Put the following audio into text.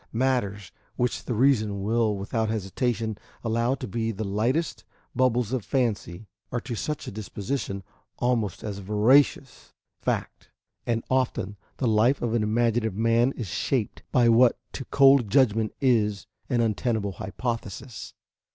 Matters which the reason will without hesitation allow to be the lightest bubbles of fancy are to such a disposition almost as veracious fact; and often the life of an imaginative man is shaped by what to cold judgment is an untenable hypothesis.